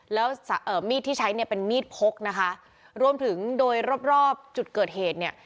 แล้วเอ่อมีดที่ใช้เนี่ยเป็นมีดพกนะคะรวมถึงโดยรอบรอบจุดเกิดเหตุเนี่ย